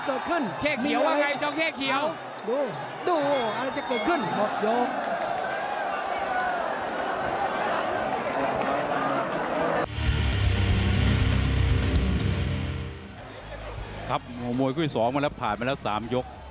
มวยุ่งที่สองมาแล้วถ่ายมันแล้ว๓ยก